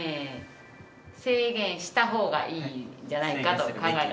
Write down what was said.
制限した方がいいんじゃないかと考える？